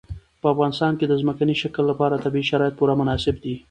په افغانستان کې د ځمکني شکل لپاره طبیعي شرایط پوره مناسب دي.